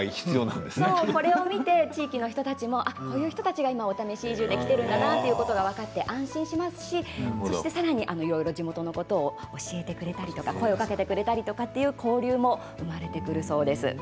これを見て、地域の人たちもこういう人たちが今お試し移住で来ているんだと分かって安心しますしさらに地元のことを教えてくれたり声をかけてくれたりという交流も生まれてくるそうです。